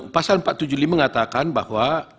pasal empat ratus tujuh puluh lima mengatakan bahwa